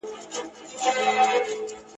د بابر زړه په غمګین و ..